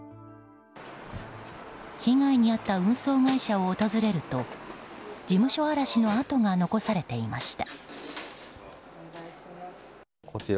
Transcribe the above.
被害に遭った運送会社を訪れると事務所荒らしの跡が残されていました。